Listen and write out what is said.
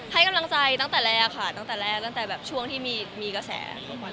ให้กำลังใจตั้งแต่แรกค่ะตั้งแต่แรกตั้งแต่แบบช่วงที่มีกระแสทุกวัน